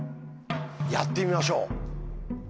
やってみましょう。